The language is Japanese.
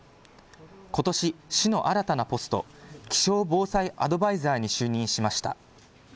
ことし、市の新たなポスト、気象防災アドバイザーに就任しました。